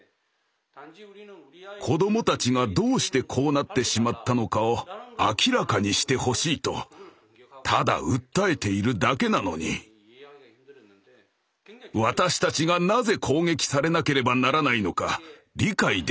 子どもたちがどうしてこうなってしまったのかを明らかにしてほしいとただ訴えているだけなのに私たちがなぜ攻撃されなければならないのか理解できませんでした。